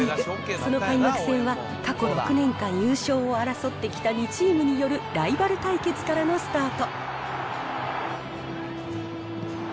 その開幕戦は、過去６年間優勝を争ってきた２チームによるライバル対決からのスタート。